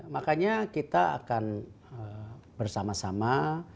makanya kita akan bersama sama